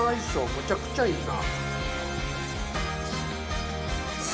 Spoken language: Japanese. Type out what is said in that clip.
むちゃくちゃいいな。